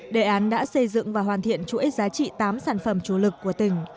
đề án đã xây dựng và hoàn thiện chuỗi giá trị tám sản phẩm chủ lực của tỉnh